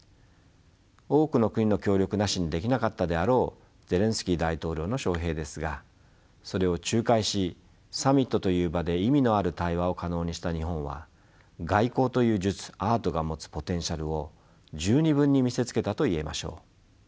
多くの国の協力なしにできなかったであろうゼレンスキー大統領の招聘ですがそれを仲介しサミットという場で意味のある対話を可能にした日本は外交という術アートが持つポテンシャルを十二分に見せつけたと言えましょう。